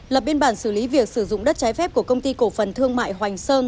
lập biên bản xử lý việc sử dụng đất trái phép của công ty cổ phần thương mại hoành sơn